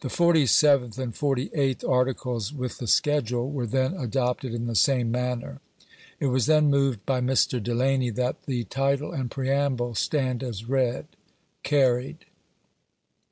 The forty serenth and forty eighth article?, with the sebodulc, were then adopted in the name manner. It was then moved by Mr. T . iany that the title and preamble stand as read. Carried.